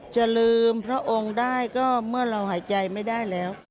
จะลืมพระองค์ได้ก็เมื่อเราหายใจไม่ได้แล้ว